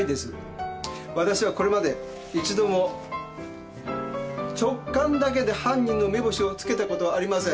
わたしはこれまで一度も直感だけで犯人の目星を付けたことはありません。